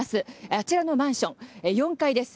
あちらのマンション４階です